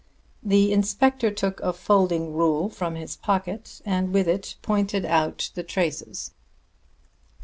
The inspector took a folding rule from his pocket and with it pointed out the traces.